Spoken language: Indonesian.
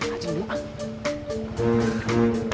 acing dulu ah